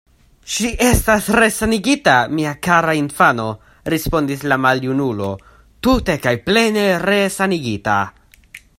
Ŝi estas resanigita, mia kara infano, respondis la maljunulo, tute kaj plene resanigita.